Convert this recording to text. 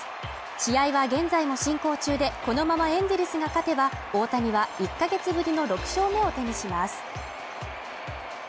試合は現在も進行中で、このままエンゼルスが勝てば大谷は１ヶ月ぶりの６勝目を手にします。